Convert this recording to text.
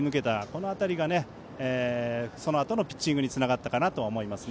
この辺りがそのあとのピッチングにつながったと思います。